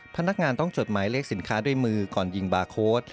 พนักงานต้องจดหมายเลขสินค้าด้วยมือก่อนยิงบาร์โค้ด